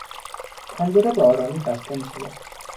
پنجره به آرامی بسته میشود.